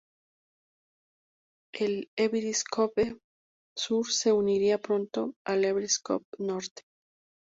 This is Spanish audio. El Evryscope-Sur se unirá pronto al Evryscope-Norte.